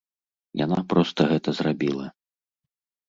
Яна проста гэта зрабіла.